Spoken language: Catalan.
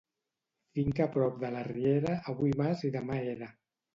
Finca a prop de la riera, avui mas i demà era.